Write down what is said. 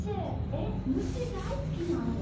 えっむしだいすきなの？